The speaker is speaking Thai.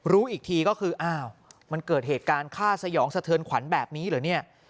รู้อีกทีก็คืออ้าวมันเกิดเหตุการณ์ฆ่าสยองสะเทือนขวัญแบบนี้เหรอเนี่ย